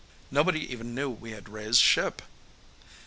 Nobody even knew we had raised ship.